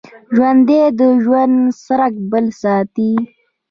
ژوندي د ژوند څرک بل ساتي